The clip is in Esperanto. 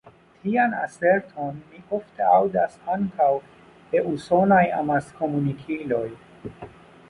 Tian aserton mi ofte aŭdas ankaŭ de usonaj amaskomunikiloj.